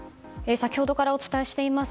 先ほどからお伝えしています